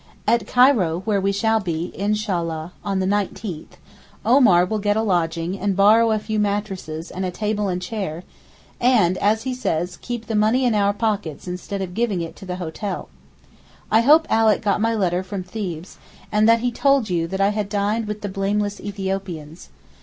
At Cairo, where we shall be, Inshallaha, on the 19th, Omar will get a lodging and borrow a few mattresses and a table and chair and, as he says, 'keep the money in our pockets instead of giving it to the hotel.' I hope Alick got my letter from Thebes, and that he told you that I had dined with 'the blameless Ethiopians.